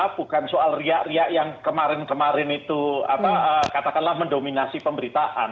bukan soal riak riak yang kemarin kemarin itu katakanlah mendominasi pemberitaan